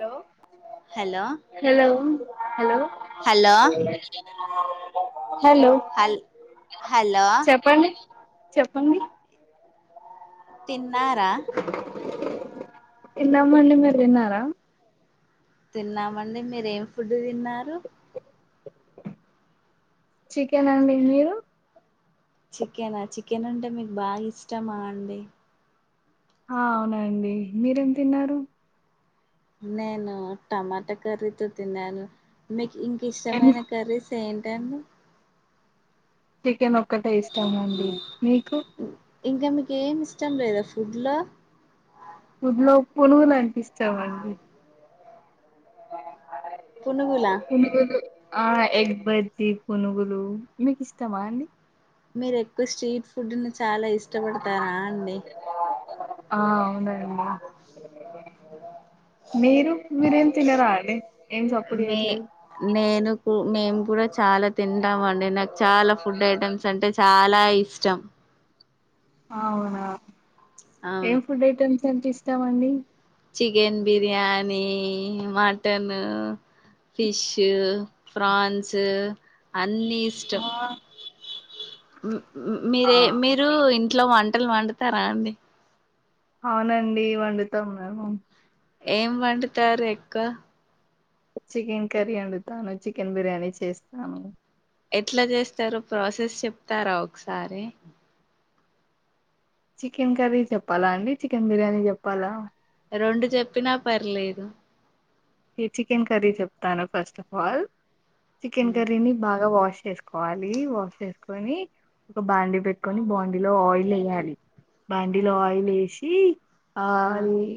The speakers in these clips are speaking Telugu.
లో hello hello hello hello hello hello hello చెప్పండి చెప్పండి తిన్నారా తిన్నాం అండి మీరు తిన్నారా తిన్నామండి మీరేం ఫుడ్ తిన్నారు చికెన్ అండి మీరు చికెనా చికెన్ అంటే మీకు బాగా ఇష్టమా అండి ఆ అవునండి మీరేం తిన్నారు నేను టమాటా కర్రీతో తిన్నాను మీ ఇంక ఎం ఇష్టమైన కర్రీస్ ఏంటండి చికెన్ ఒక్కటే ఇష్టమా అండి మీకు ఇంకా మీకు ఏమి ఇష్టం లేదా ఫుడ్ లో ఫుడ్ లో పునుగులు అంటే ఇష్టం మండి పునుగులా పునుగులు ఆ ఎగ్ బజ్జి పునుగులు మీకు ఇష్టమా అండి మీరు ఎక్కువ స్ట్రీట్ ఫుడ్ ను చాలా ఇష్టపడతారా అండి ఆ అవునండి మీరు మీరేం తినరా అండి ఏం సప్పుడు మే చేయట్లేదు నేను మేము కూడా చాలా తింటాం అండి నాకు చాలా ఫుడ్ ఐటమ్స్ అంటే చాలా లా ఇష్టం అవునా ఏం అవును ఫుడ్ ఐటెమ్స్ అంటే ఇష్టం అండి chicken biryani, mutton, fish prawns అన్నీ ఇష్టం ఆ ఆ మీరే మీరు ఇంట్లో వంటలు వండుతారా అండి అవునండి వండుతాము మేము ఏం వండుతారు ఎక్కువ చికెన్ కర్రీ వండుతాను చికెన్ బిర్యానీ చేస్తాను ఎట్లా చేస్తారో ప్రాసెస్ చెప్తారా ఒకసారి చికెన్ కర్రీ చెప్పాలా అండి చికెన్ బిర్యానీ చెప్పాలా రెండు చెప్పినా పర్లేదు చికెన్ కర్రీ చెప్తాను ఫస్ట్ ఆఫ్ ఆల్ చికెన్ కర్రీని బాగా వాష్ చేసుకోవాలి వాష్ చేసుకొని ఒక బాండీ పెట్టుకొని బాండీలో ఆయిల్ వెయ్యాలి బాండీలో ఆయిల్ వేసి ఆది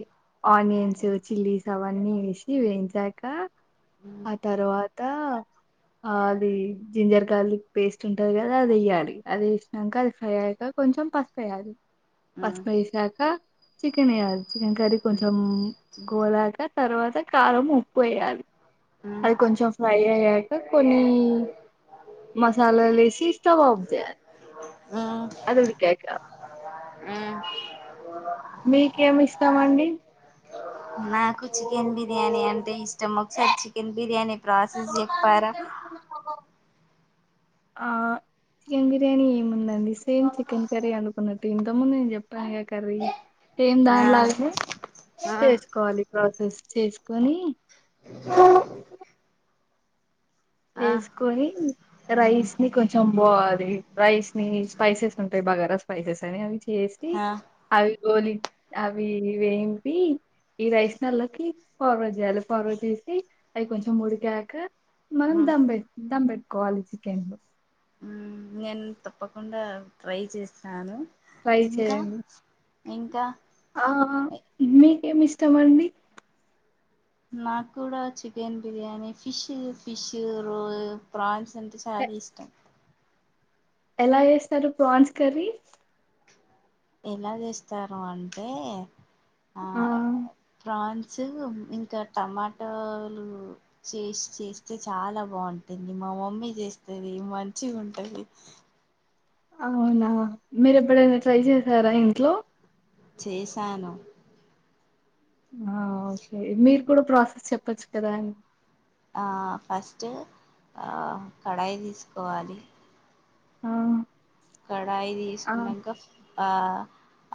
ఆనియన్స్, చిల్లీస్, అవన్నీ వేసి వేయించాక ఆ తర్వాత అది జింజర్ గార్లిక్ పేస్ట్ ఉంటాది కదా అది వేయ్యాలి అది వేసినంక అది ఫ్రై అయ్యాక కొంచం పసుపు వేయాలి పసుపు వేసినక చికెన్ వేయ్యాలి చికెన్ కర్రీ కొంచం పోలాక తర్వాత కారం, ఉప్పు వేయాలి అది కొంచం ఫ్రై అయ్యాక కొన్ని మా సాల లు వేసి స్టవ్ ఆఫ్ చేయాలి అది ఉడికాక మీకేమి ఇష్టం అండి నాకు చికెన్ బిర్యానీ అంటే ఇష్టం ఒకసారి చికెన్ బిర్యానీ ప్రాసెస్ చెప్పారా ఆ చికెన్ బిర్యానీ ఏముందండి సేమ్ చికెన్ కర్రీ అనుకున్నట్టు ఇంతకు ముందు నేను చెప్తానుగా కర్రీ సేమ్ ఆ దాండ్లాగనే ఆ చేసుకోవాలి ప్రాసెస్ చేసుకొని. ఆ తేస్కొని రైస్ ని కొంచం బ్వాది రైస్ ని స్పైసెసుంటాయ్ బాగ రస్పైసెస్ అని అవి చేస్తి ఆ అవి గోలి అవి వేంపి ఈ రైస్ నల్లకి ఫార్వడ్ జేయాలి ఫార్వడ్ జేసి అవి కొంచెం ఉడికాక మనం దమ్ బెట్ దంబెట్ కోవాలి చికెన్ను ఆ నేన్ తప్పకుండా ట్రై చేస్తాను ఫ్రై ఇంకా చేయండి ఇంకా ఆ మీకేమి ఇష్టమండి నాక్కూడ chicken biryani fish fish roll prawns దంటే చాలా ఎ- ఇష్టం ఎలా జేస్తారు ప్రాన్స్ కర్రీ ఎలా జేస్తారు అంటే ఆ ప్రాన్ న్సు ఇంకా టమాటాలు చేస్ చేస్తే చాలా బాంటుంది మ మా మమ్మీ జేస్తది మంచిగుంటది అవునా మీరు ఎబ్బుడైనా ట్రై జేసారా ఇంట్లో చేశాను ఆ ఓకే మీరు కూడా ప్రాసెస్ చొప్పచ్చు కదా అం ఆ ఫస్టు ఆ కడాయి దీసుకోవాలి ఆ కడాయి ఆ దీసుకుంన్నాంక ఆ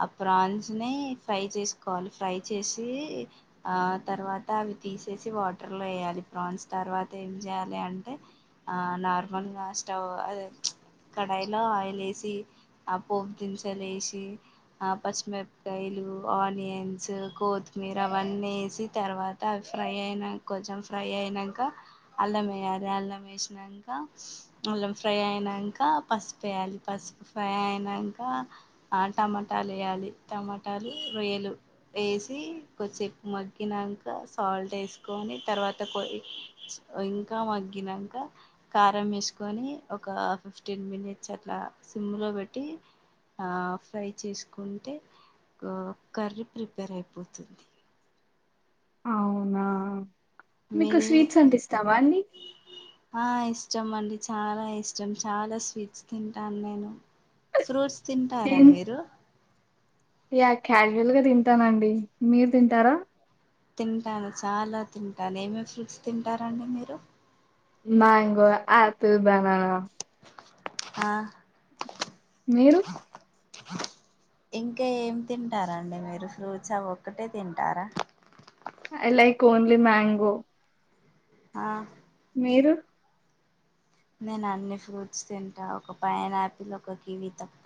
ఆ ప్రాన్స్ ని ఫ్రై చేసుకోవాలి ఫ్రై చేసీ ఆ తర్వాత అవి తీసేసి వాటర్ లో ఏయాలి ప్రాన్స్ తర్వాత ఏం జేయాలి అంటే ఆ నార్మల్ గా స్టవ్ అదే కడాయిలో ఆయి లేసి ఆ పోగింగించలేసి ఆ పషిమిరప్ కాయలు ఆనియన్ న్సు కోతిమీర అవన్నీ ఏసి తర్వాత అవి ఫ్రై అయినా కొంచెం ఫ్రై అయినంక అల్లం వేయాలి అల్లం వేసినాంక అళ్లం ఫ్రై అయినాంక పసుపేయాల్ పసుపు ఫ్రై అయినాంక ఆండ్ టమొటాలేయాలి టమాటాలు రొయ్యలు ఏసి కొద్సేపు మగ్గినంక సాల్టేసుకొని తర్వాత కొ ఇ ఇంకా మగ్గినంక కారం ఏసుకొని ఒక ఫిఫ్టీన్ మినిట్సట్లా సిమ్ము లో వెట్టి ఆ ఫ్రై చేసుకుంటే గా కర్రీ ప్రిపేరైపోతుంది అవునా మీకు మీరు స్వీట్సంటే ఇస్తావా అండి చం అండి చాలా ఇష్టం చాలా స్వీట్స్ తింటాన్ నేను ఫ్రూట్స్ తింటారా ఏం మీరు యా క్యాజువల్ గా దింటానండి మీర్ దింటారా తింటాను చాలా తింటాను ఏమేమ్ ఫ్రూట్స్ తింటారండి మీరు మ్యాంగో ఆపిల్ బనానా ఆ మీరు ఇంకా ఏం తింటారండి మీరు ఫ్రూట్సు ఆ ఒక్కటే తింటారా ఐ లైక్ ఓండ్లి మ్యాంగో ఆ మీరు నేను అన్ని ఫ్రూట్స్ తింటా ఒక పైనాపిల్ ఒక కివి తప్ప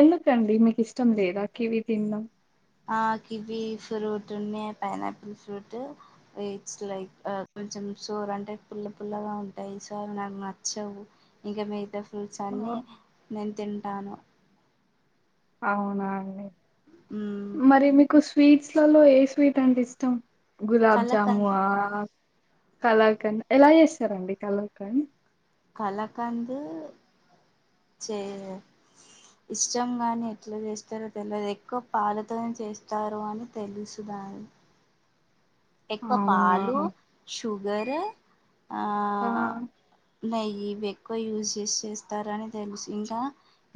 ఎందుకండి మీకు ఇష్టం లేదా కివీ తిన్నడం ఆ కివి ఫ్రూట్ ఉన్నా పైనాపిల్ ఫ్రూట్ ఇట్స్ లైక్ ఆ కొంచెం సోర్ అంటే పుల్ల పుల్లగా ఉంటాయి. సో అవి నాకు నచ్చవు ఇంకా మీ ఫ్రూట్స్ ఓ, అన్ని నేను తింటాను అవునా అండి మరి మీకు స్వీట్స్లలో ఏ స్వీట్ అంటె ఇష్టం గులాబ్జాము కలకంద్ ఆ కలాకండ్ ఎలా చేస్తారండి కళకండ్ కలకండ్ చేయా ఇష్టం గాని ఎట్లా చేస్తారో తెలువదు. ఎక్కువ పాలతోని చేస్తారు. అని తెలుసు దాన్ని హ్ ఎక్కువ అవునా పాలు షుగర్ ఆ నెయ్యి ఇవి ఎక్కువ యూజ్ చేసి చేస్తారని తెలుసు ఇంకా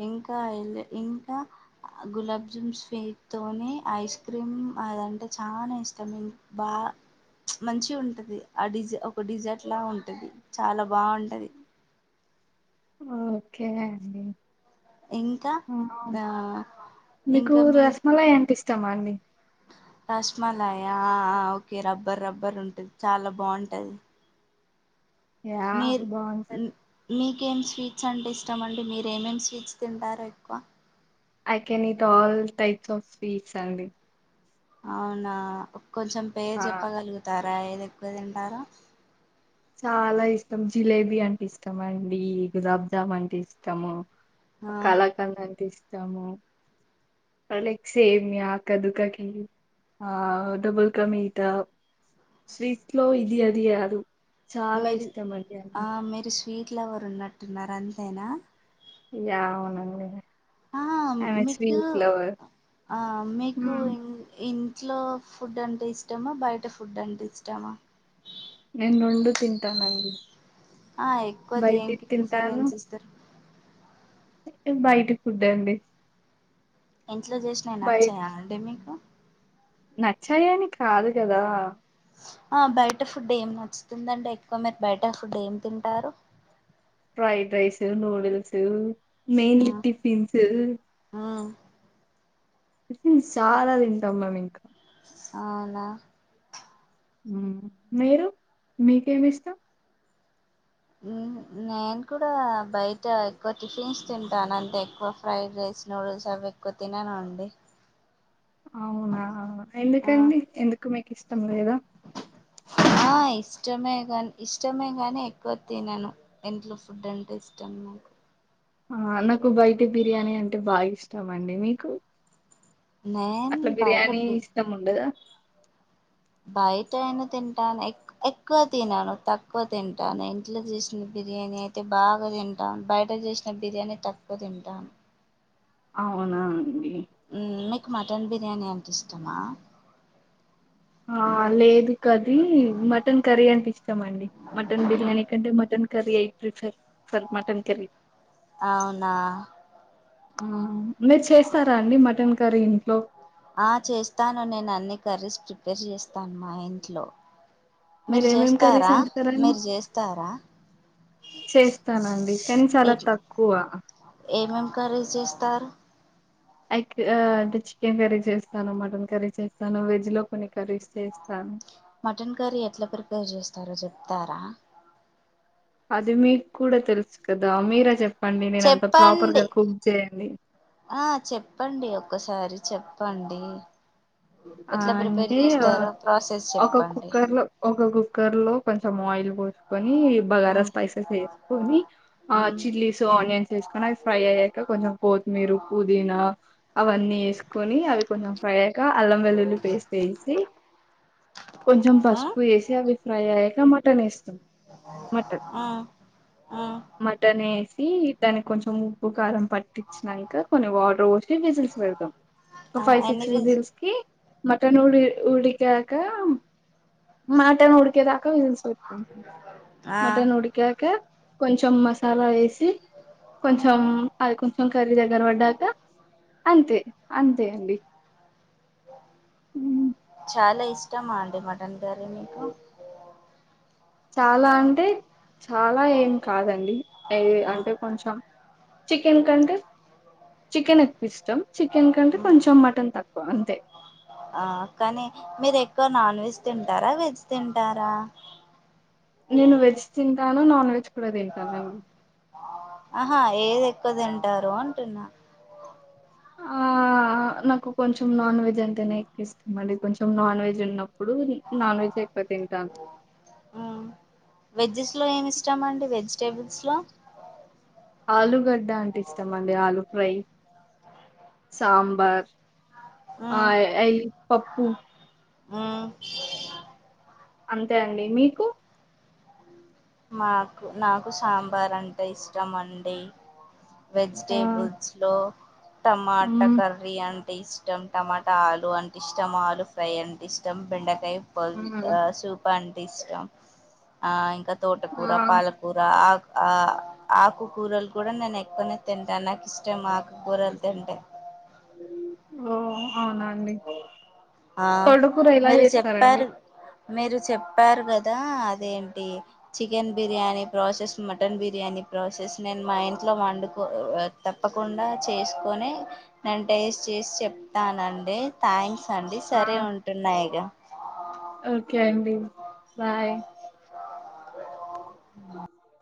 ఇంకా అంటే ఇంకా గులాబ్ జూమ్ స్వీట్ తోని ఐస్ క్రీమ్ అదంటే చాలా ఇష్టం ఇం బ మంచిగా ఉంటది. ఆది డిజ ఒక డిజర్ట్ లాగా ఉంటది. చాలా బాగుంటది ఓకే అండి ఇంకా ఆ మీకు రసమలాయి అంటే ఇష్టమా అండి అ రసమలాయ ఆ ఓకే రబ్బర్ రబ్బర్ ఉంటది చాలా బాగుంటది యా మీరు ఉ బావుంటది. మీ ఇంకేం స్వీట్స్ అంటే ఇష్టము అండి మీరూ ఏమేమి స్వీట్స్ తింటారూ ఎక్కువ I can eat all types of sweets అండి అవునా కొంచెం పేరు ఆ! చెప్పగలుగుతారా ఏది ఎక్కువ తింటారో చాలా ఇష్టం జిలేబీ అంటే ఇష్టం అండి గులాబ్జాము అంటే ఇష్టము ఆ కళాకండ్ అంటే ఇష్టము అనీకు సేమ్యా కదుక కీర్ ఆ డబుల్ క మీట స్వీట్స్ లో ఇది అది కాదు చాలా మీరు ఇష్టం అండి అన్ని ఆ మీరు స్వీట్ లవరు ఉన్నట్టు ఉన్నారు అంతేనా ఇగ అవును ఆ మీకు ఆ మీకు హ్మ్. ఇం ఇం ట్లో ఫుడ్ అంటే ఇష్టమా బయట ఫుడ్ అంటే ఇష్టమా నేను రండు తింటాను అండి ఆ ఎక్కువ దేనికి ప్రిఫర్న్స్ ఇస్తారు బయటి ఫుడ్ అండి ఇంట్లో చేసినావి బయ నచ్చేయ అండి. మీకు నచ్చాయని కాదు కదా ఆ బయట ఫుడ్ ఏం నచ్చుతుందండి ఎక్కువ మీరు బయట ఫుడ్ ఏం తింటారు. Fried rice noodles mainly tiffins మ్మ్ చాలా తింటాం మేము ఇంకా అవునా హ్ మీరు మీకేమి ఇష్టం నేను కూడా బయట ఎక్కువ టిఫిన్స్ తింటాను అంటే ఎక్కువ అంటే ఫ్రైడ్ రైస్ నూడుల్స్ అవి ఎక్కువ తినను అండి అవునా ఆ ఎందుకండి ఎందుకు మీకు ఇష్టం లేదా ఆ ఇష్టమే ని ఇష్టమే గాని ఎక్కువ తినను ఇంట్లో ఫుడ్ అంటే ఇష్టం హ్ ఆ నాకు బయట బిర్యానీ అంటే బాగా ఇష్టము అండి మీకు నేను అట్లా బయట బిర్యానీ బి ఇష్టము ఉండదు బయట అయినా తింటాను. ఎక్కువ తినాను తక్కువ తింటాను ఇంట్లో చేసిన బి బిర్యానీ అయితే బాగా తింటాం బయట చేసిన బిర్యానీఅయితే తక్కువ తింటాను అవున అండి మీకు మటన్ బిర్యానీ అంటే ఇష్టామా ఆ లేదు కరీ మటన్ కర్రీ అంటే ఇష్ట మండి మటన్ బిర్యానీ కంటే mutton curry I prefer for mutton curry అవునా మీరు చేస్తారా అండి మటన్ కర్రీ ఇంట్లో ఆ చేస్తాను నేను అన్ని కర్రీస్ ప్రిపేర్ చేస్తాను మా ఇంట్లో మీరు ఏమేమి కర్రీస్ చేస్తారా వండుతారండి మీరు చేస్తారా చేస్తానండి కానీ ఏ చాలా తక్కువ ఏమేం కర్రీస్ చేస్తారు అయితే అంటే చికెన్ కర్రీ చేస్తాను మటన్ కర్రీ చేస్తాను వెజ్ లో కొన్ని కర్రీస్ చేస్తాను. మటన్ కర్రీ ఎట్లా ప్రిపేర్ చేస్తారో చెప్తారా అది మీకు కూడా తెలుసు కదా అది మీరే చెప్ చెప్పండి ఆ చెప్పండి ఒకసారి చెప్ప చెప్పండి ఆ ఎట్లా ప్రిపేర్ అంటే చేస్తారో ప్రాసెస్ ఒక చెప్పండి కుక్కర్ లో ఒక కుక్కర్ లో కొంచెం ఆయిల్ పోసుకోని బగారా ఉమ్, స్పైసెస్ వేసుకొని ఆ ఉమ్, చిల్లీస్ ఆనియన్స్ వేసుకొని అవి ఫ్రై అయ్యాక కొంచెం కొత్తి పోతు మీరు పుదీనా అవన్నీ వేసుకొని అవి కొంచెం ఫ్రై అయ్యాక అల్లం వెల్లుల్లి పేస్ట్ వేసి కొంచెం ఉమ్, పసుపు వేసి అవి ఫ్రై అయ్యాక మటన్ వేస్తాం మటన్ ఉమ్, ఉమ్. మటన్ ఏసీ దానికి కొంచెం ఉప్పు కారం పట్టించినాక దానికి కొన్ని వాటర్ పోసి విజిల్స్ పెడదాం ఒక ఆ, ఫైవ్ ఎన్ని సిక్స్ విజ్ వీజిల్స్ కి మటన్ ఉడి ఊడికాక మటన్ ఉడికేదాకా విజిల్స్ పేట్కుంట ఆ మటన్ ఉడికక కొంచెం మసాలా వేసి కొంచెం అది కొంచెం కర్రీ దగ్గర పడ్డాక అంతే అంతే అండి హ్ చాలా ఇష్టము అండి మటన్ కర్రీ మీకు చాలా అంటే చాలా ఏం కాదండి. అ మ్, అంటే కొంచెం చికెన్ కంటే చికెన్ ఎక్కువ ఇష్టం చికెన్ కంటే మ్. కొంచెం మటన్ తక్కు అంతే ఆ కానీ మీరు ఎక్కువ నాన్ వెజ్ తింటారా వెజ్ తింటారా నేను వెజ్ తింటాను నాన్ వెజ్ కూడా తింటాను ఆహా ఏది ఎక్కువ తింటారు అంటున్నా ఆ నాకు కొంచెం నాన్ వెజ్ అంటేనే ఎక్కువ ఇష్టం అండి. కొంచెం నాన్ వెజ్ ఉన్నప్పుడు నాన్ వెజ్ ఇప్పతింటాను వెజెస్లో ఏమి ఇష్టామండి వెజిటేబుల్స్లో ఆలుగడ్డ అంటే ఇష్టం అండి ఆలు ఫ్రై సాంబార్ ఆ అయ్ పప్పు హ్మ్ అంతే అండి మీకు మాకు నాకు సాంబార్ అంటే ఇష్టం అండి ఆ! వెజిటేబుల్స్ లో టమాటా హ్మ్. కర్రీ అం టే ఇష్టం టమాటా ఆలు అంటే ఇష్టం ఆలు ఫ్రై అంటే ఇష్టం బెండ ఇ హ్మ్. సూపంటే ఇష్టం ఆ ఇంకా ఆ! తోటకూరా పాలకూరా ఆక్ ఆ ఆకుకూరలు కూడా నేను ఎక్కువనే తింటాను నాకు ఇష్టం ఆకుకూరలు తింటే ఓ అవునాండి ఆ తోటకూర ఎలా మీరు చేస్తారండి చెప్పారు మీరు చెప్పారు కదా అదేంటి chicken biryani process mutton biryani process నేను మా ఇంట్లో వండుకో తప్పకుండా చేసుకోనే నేను టేస్ట్ చేసి చెప్తానండి థ్యాంక్స్ అండి ఆ! సరే ఉంటున్నాయిక ఓకే అండి బాయ్